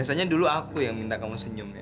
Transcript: biasanya dulu aku yang minta kamu senyum ya